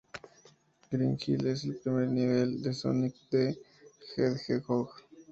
Green Hill es el primer nivel de "Sonic the Hedgehog".